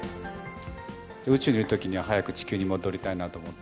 宇宙にいるときには、早く地球に戻りたいなと思って。